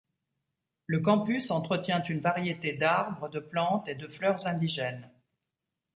Le campus entretient une variété d'arbres, de plantes et de fleurs indigènes.